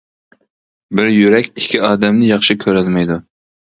بىر يۈرەك ئىككى ئادەمنى ياخشى كۆرەلمەيدۇ.